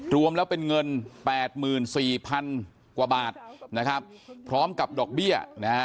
รวมแล้วเป็นเงิน๘๔๐๐๐กว่าบาทพร้อมกับดอกเบี้ย